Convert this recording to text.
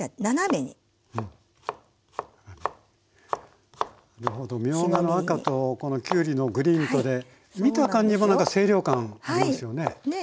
みょうがの赤とこのきゅうりのグリーンとで見た感じもなんか清涼感ありますよね。